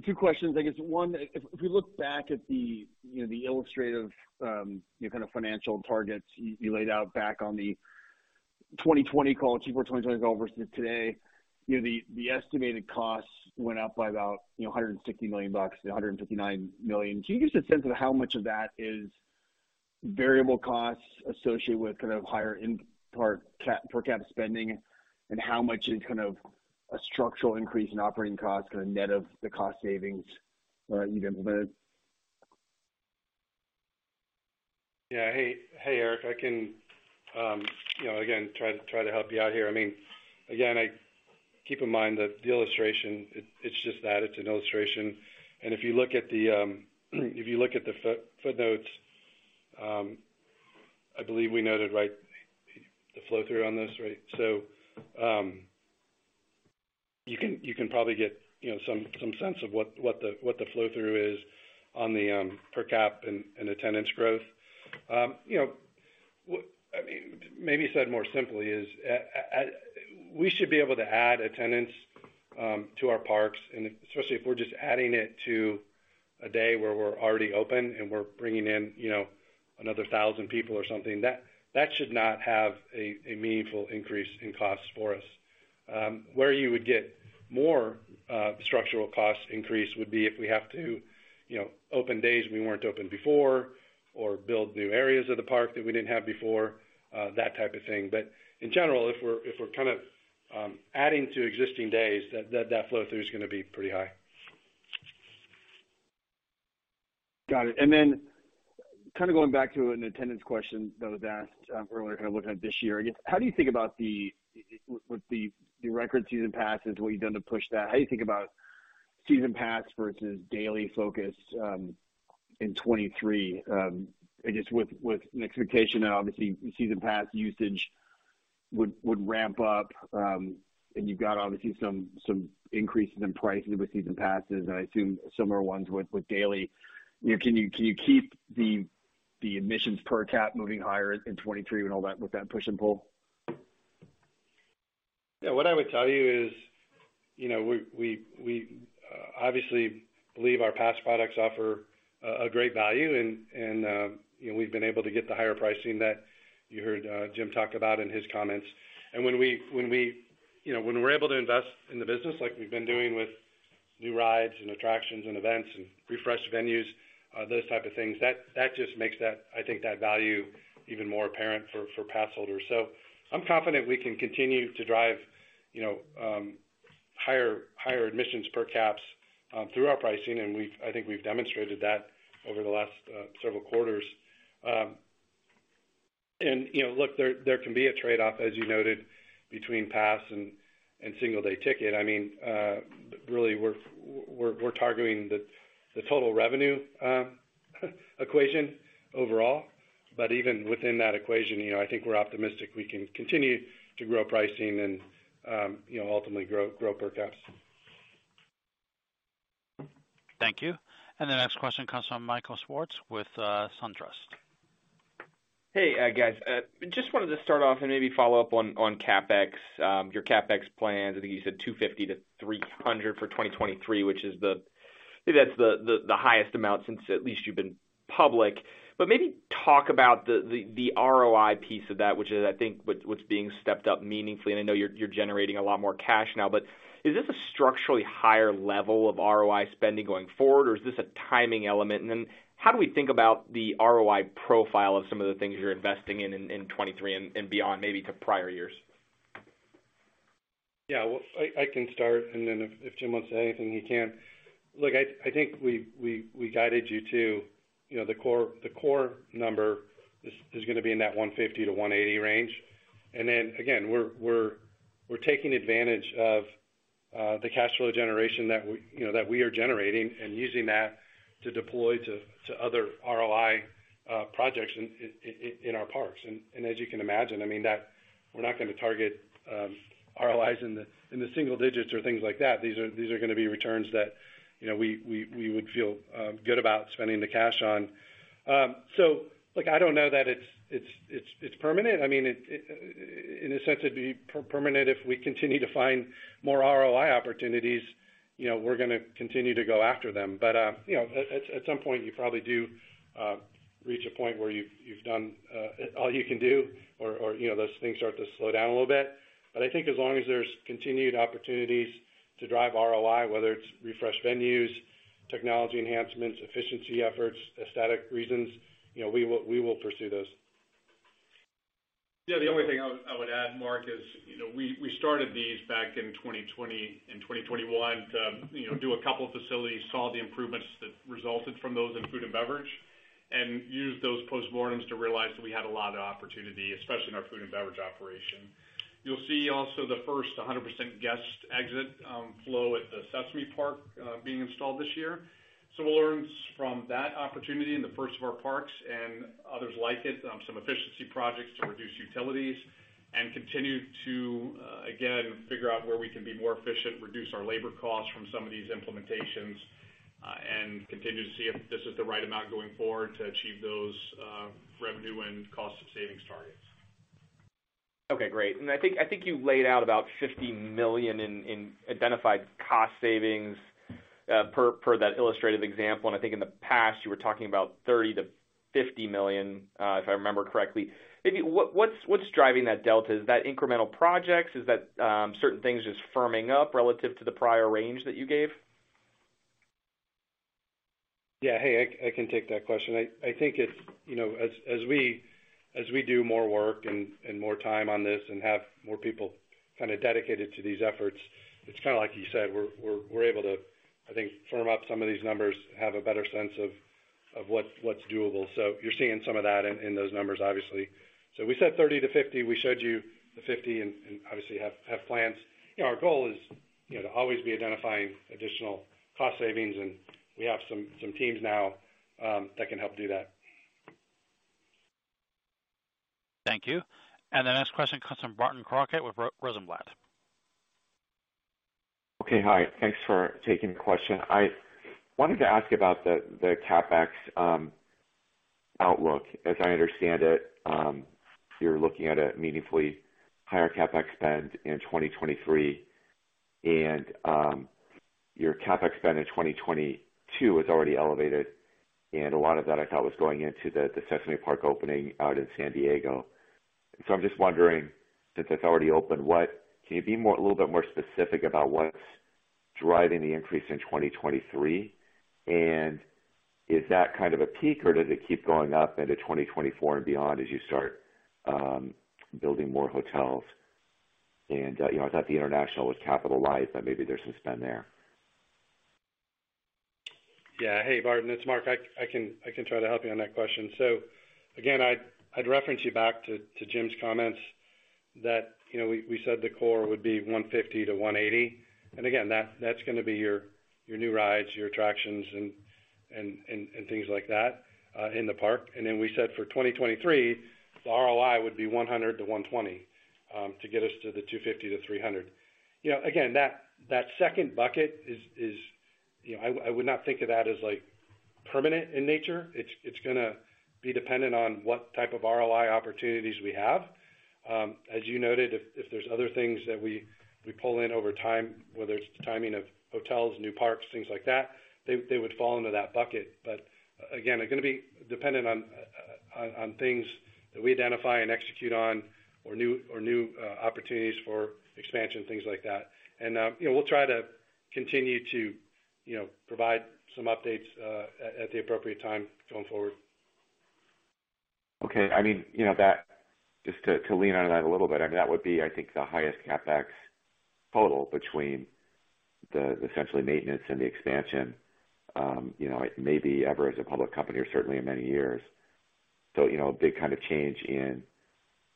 Speaker 8: 2 questions. I guess one, if we look back at the illustrative, kind of financial targets you laid out back on the 2020 call, Q4 2020 call versus today, the estimated costs went up by about $160 million to $159 million. Can you give us a sense of how much of that is variable costs associated with kind of higher in-park per capita spending, and how much is kind of a structural increase in operating costs kind of net of the cost savings you've implemented?
Speaker 3: Yeah. Hey, Eric. I can, you know, again, try to help you out here. I mean, again, I keep in mind that the illustration, it's just that, it's an illustration. If you look at the footnotes, I believe we noted right the flow through on this, right? You can probably get, you know, some sense of what the flow through is on the per cap and attendance growth. You know, I mean, maybe said more simply is, we should be able to add attendance to our parks, and especially if we're just adding it to a day where we're already open and we're bringing in, you know, another 1,000 people or something. That should not have a meaningful increase in costs for us. Where you would get more structural cost increase would be if we have to, you know, open days we weren't open before or build new areas of the park that we didn't have before, that type of thing. In general, if we're kind of adding to existing days, that flow through is gonna be pretty high.
Speaker 8: Got it. Then kind of going back to an attendance question that was asked earlier, kind of looking at this year, I guess, how do you think about the with the record season passes, what you've done to push that? How do you think about season pass versus daily focus in 2023? I guess with an expectation that obviously season pass usage would ramp up, and you've got obviously some increases in pricing with season passes, and I assume similar ones with daily. You know, can you keep the admissions per caps moving higher in 2023 when with that push and pull?
Speaker 3: Yeah. What I would tell you is, you know, we obviously believe our pass products offer a great value and, you know, we've been able to get the higher pricing that you heard Jim talk about in his comments. When we, you know, when we're able to invest in the business like we've been doing with new rides and attractions and events and refreshed venues, those type of things, that just makes that, I think, that value even more apparent for pass holders. I'm confident we can continue to drive, you know, higher admissions per caps through our pricing, and I think we've demonstrated that over the last several 1/4s. You know, look, there can be a trade-off, as you noted, between pass and single day ticket. I mean, really, we're targeting the total revenue equation overall. Even within that equation, you know, I think we're optimistic we can continue to grow pricing and, you know, ultimately grow per caps.
Speaker 1: Thank you. The next question comes from Michael Swartz with Truist Securities.
Speaker 9: Hey, guys, just wanted to start off and maybe follow up on CapEx, your CapEx plans. I think you said $250 million-$300 million for 2023, which is maybe the highest amount since at least you've been public. Maybe talk about the ROI piece of that, which is, I think, what's being stepped up meaningfully, and I know you're generating a lot more cash now, is this a structurally higher level of ROI spending going forward, or is this a timing element? How do we think about the ROI profile of some of the things you're investing in 2023 and beyond maybe to prior years?
Speaker 3: Yeah, well, I can start, and then if Jim wants to add anything, he can. Look, I think we guided you to, you know, the core number is gonna be in that $150-$180 range. Again, we're taking advantage of the cash flow generation that we, you know, that we are generating and using that to deploy to other ROI projects in our parks. As you can imagine, I mean that we're not gonna target ROIs in the single digits or things like that. These are gonna be returns that, you know, we would feel good about spending the cash on. Look, I don't know that it's permanent. I mean, in a sense, it'd be permanent. If we continue to find more ROI opportunities, you know, we're gonna continue to go after them. You know, at some point, you probably do reach a point where you've done all you can do or, you know, those things start to slow down a little bit. I think as long as there's continued opportunities to drive ROI, whether it's refresh venues, technology enhancements, efficiency efforts, aesthetic reasons, you know, we will pursue those.
Speaker 4: Yeah. The only thing I would add, Marc, is, you know, we started these back in 2020 and 2021 to, you know, do a couple of facilities, saw the improvements that resulted from those in food and beverage and used those postmortems to realize that we had a lot of opportunity, especially in our food and beverage operation. You'll see also the first 100% guest exit flow at the Sesame Place being installed this year. we'll learn from that opportunity in the first of our parks and others like it, some efficiency projects to reduce utilities and continue to again figure out where we can be more efficient, reduce our labor costs from some of these implementations and continue to see if this is the right amount going forward to achieve those revenue and cost savings targets.
Speaker 9: Okay, great. I think you laid out about $50 million in identified cost savings, per that illustrative example. I think in the past, you were talking about $30 million-$50 million, if I remember correctly. Maybe what's driving that delta? Is that incremental projects? Is that certain things just firming up relative to the prior range that you gave?
Speaker 3: Yeah. Hey, I can take that question. I think it's, you know, as we do more work and more time on this and have more people kind of dedicated to these efforts, it's kind of like you said, we're able to, I think, firm up some of these numbers, have a better sense of what's doable. You're seeing some of that in those numbers, obviously. We said 30 to 50. We showed you the 50 and obviously have plans. You know, our goal is, you know, to always be identifying additional cost savings, and we have some teams now that can help do that.
Speaker 1: Thank you. The next question comes from Barton Crockett with Rosenblatt.
Speaker 10: Okay. Hi. Thanks for taking the question. I wanted to ask about the CapEx outlook. As I understand it, you're looking at a meaningfully higher CapEx spend in 2023, and your CapEx spend in 2022 was already elevated, and a lot of that I thought was going into the Sesame Place opening out in San Diego. I'm just wondering, since it's already open, can you be a little bit more specific about what's driving the increase in 2023? Is that kind of a peak or does it keep going up into 2024 and beyond as you start building more hotels? You know, I thought the international was capitaized, but maybe there's some spend there.
Speaker 3: Yeah. Hey, Barton, it's Marc. I can try to help you on that question. Again, I'd reference you back to Jim's comments that, you know, we said the core would be $150-$180. Again, that's gonna be your new rides, your attractions and things like that in the park. Then we said for 2023, the ROI would be $100-$120 to get us to the $250-$300. You know, again, that second bucket is, you know, I would not think of that as, like, permanent in nature. It's gonna be dependent on what type of ROI opportunities we have. As you noted, if there's other things that we pull in over time, whether it's the timing of hotels, new parks, things like that, they would fall into that bucket. Again, they're gonna be dependent on things that we identify and execute on or new opportunities for expansion, things like that. You know, we'll try to continue to, you know, provide some updates at the appropriate time going forward.
Speaker 10: Okay. I mean, you know, just to lean on that a little bit, I mean, that would be, I think, the highest CapEx total between the, essentially maintenance and the expansion, you know, maybe ever as a public company or certainly in many years. You know, a big kind of change in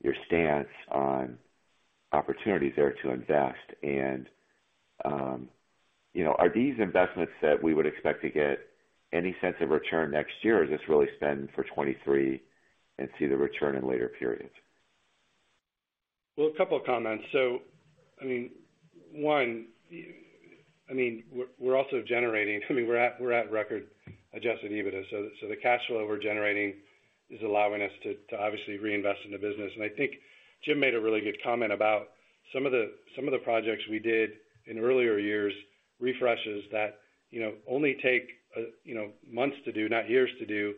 Speaker 10: your stance on opportunities there to invest. You know, are these investments that we would expect to get any sense of return next year? Or is this really spend for 23 and see the return in later periods?
Speaker 3: Well, a couple of comments. I mean, one, I mean, we're also generating. I mean, we're at record Adjusted EBITDA. The cash flow we're generating is allowing us to obviously reinvest in the business. I think Jim made a really good comment about some of the projects we did in earlier years, refreshes that, you know, only take, you know, months to do, not years to do,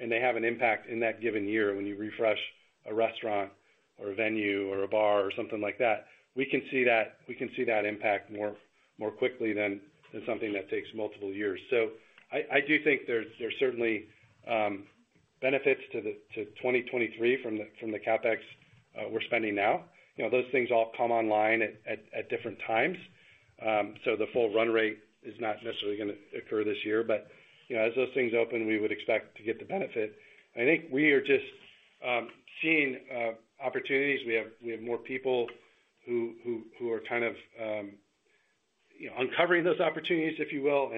Speaker 3: and they have an impact in that given year when you refresh a restaurant or a venue or a bar or something like that. We can see that impact more quickly than something that takes multiple years. I do think there's certainly benefits to 2023 from the CapEx we're spending now. You know, those things all come online at different times. The full run rate is not necessarily gonna occur this year. You know, as those things open, we would expect to get the benefit. I think we are just seeing opportunities. We have more people who are kind of, you know, uncovering those opportunities, if you will.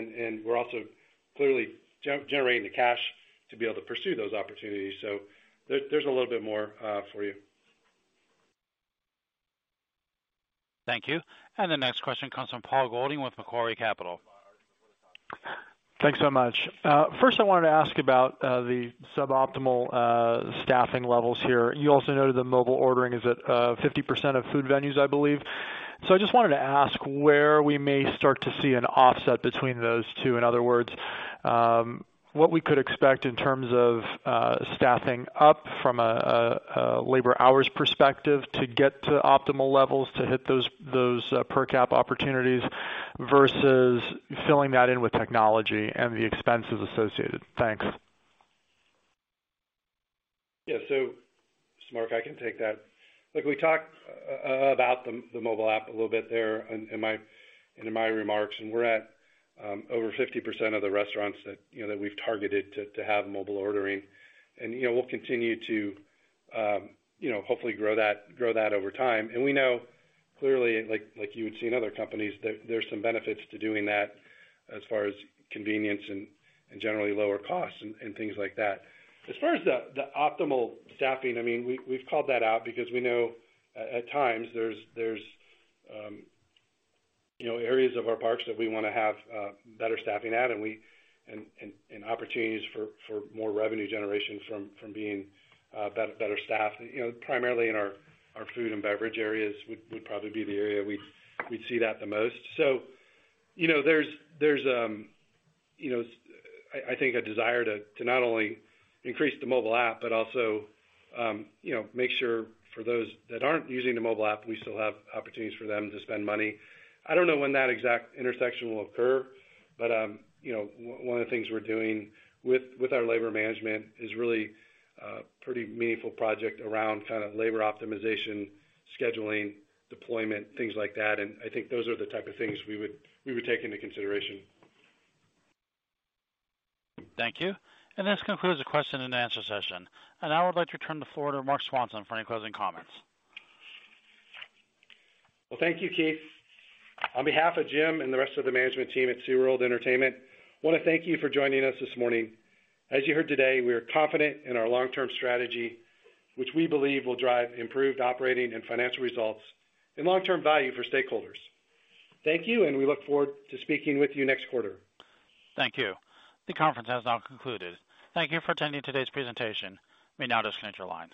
Speaker 3: We're also clearly generating the cash to be able to pursue those opportunities. There's a little bit more for you.
Speaker 1: Thank you. The next question comes from Paul Golding with Macquarie Capital.
Speaker 11: Thanks so much. First, I wanted to ask about the suboptimal staffing levels here. You also noted the mobile ordering is at 50% of food venues, I believe. I just wanted to ask where we may start to see an offset between those 2. In other words, what we could expect in terms of staffing up from a labor hours perspective to get to optimal levels to hit those per cap opportunities versus filling that in with technology and the expenses associated. Thanks.
Speaker 3: Yeah. Marc, I can take that. Look, we talked about the mobile app a little bit there in my remarks, and we're at over 50% of the restaurants that, you know, that we've targeted to have mobile ordering. You know, we'll continue to, you know, hopefully grow that over time. We know clearly, like you would see in other companies, there's some benefits to doing that as far as convenience and generally lower costs and things like that. As far as the optimal staffing, I mean, we've called that out because we know at times there's, you know, areas of our parks that we want to have better staffing at, and opportunities for more revenue generation from being better staffed. You know, primarily in our food and beverage areas would probably be the area we'd see that the most. You know, there's, you know, I think a desire to not only increase the mobile app, but also, you know, make sure for those that aren't using the mobile app, we still have opportunities for them to spend money. I don't know when that exact intersection will occur, but, you know, one of the things we're doing with our labor management is really a pretty meaningful project around kind of labor optimization, scheduling, deployment, things like that. I think those are the type of things we would take into consideration.
Speaker 1: Thank you. This concludes the question and answer session. I now would like to turn the floor to Marc Swanson for any closing comments.
Speaker 3: Well, thank you, Keith. On be1/2 of Jim and the rest of the management team at SeaWorld Entertainment, I wanna thank you for joining us this morning. As you heard today, we are confident in our long-term strategy, which we believe will drive improved operating and financial results and long-term value for stakeholders. Thank you, we look forward to speaking with you next 1/4.
Speaker 1: Thank you. The conference has now concluded. Thank you for attending today's presentation. You may now disconnect your lines.